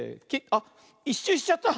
あっ１しゅうしちゃった。